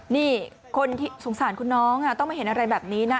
นี่คนที่สงสารคุณน้องต้องมาเห็นอะไรแบบนี้นะ